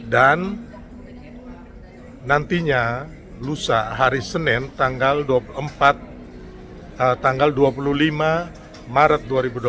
dan nantinya lusa hari senin tanggal dua puluh lima maret dua ribu dua puluh empat